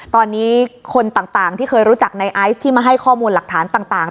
ตอนนี้คนต่างที่เคยรู้จักในไอซ์ที่มาให้ข้อมูลหลักฐานต่าง